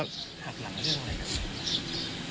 หักหลังเรื่องอะไรกัน